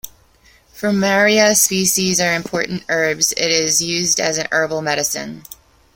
Fumaria species are important herbs, it is used as a herbal medicine.